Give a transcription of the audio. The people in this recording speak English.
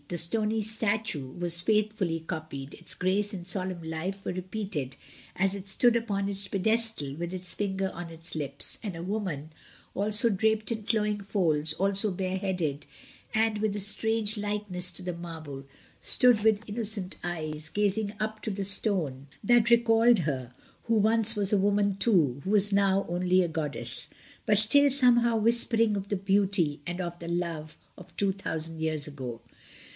The stony statue was faithfully copied, its grace and solenm life were re peated as it stood upon its pedestal with its finger on its lips; and a woman, also draped in fiowing folds, also bare headed, and with a strange likeness to the marble, stood with innocent eyes gazing up at the stone that recalled her who once was a woman too, who was now only a goddess, but still somehow whispering of the beauty and of the love of two thousand years ago.